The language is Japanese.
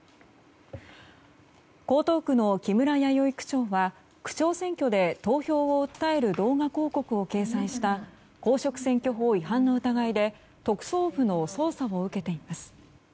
江東区の木村弥生区長は区長選挙で投票を訴える動画広告を掲載した公職選挙法違反の疑いで特捜部の捜査を受けています。